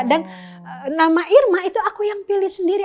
dan nama irma itu aku yang pilih sendiri